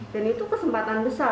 dan itu kesempatan besar